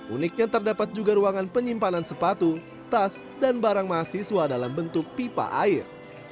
uniknya terdapat juga ruangan penyimpanan sepatu tas dan barang mahasiswa dalam bentuk pipa air